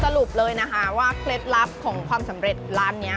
สรุปเลยนะคะว่าเคล็ดลับของความสำเร็จร้านนี้